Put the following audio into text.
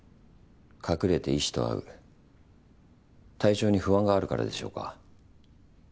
隠れて医師と会う体調に不安があるからでしょうか？